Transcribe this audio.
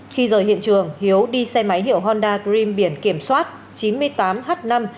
khi rời hiện trường hiếu đi xe máy hiệu honda grim biển kiểm soát chín mươi tám h năm hai nghìn tám trăm sáu mươi tám